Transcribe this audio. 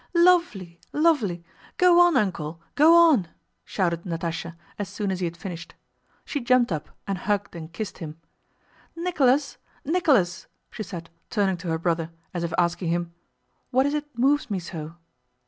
"Lovely, lovely! Go on, Uncle, go on!" shouted Natásha as soon as he had finished. She jumped up and hugged and kissed him. "Nicholas, Nicholas!" she said, turning to her brother, as if asking him: "What is it moves me so?"